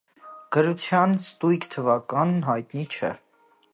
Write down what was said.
Գրության ստույգ թվականն հայտնի չէ։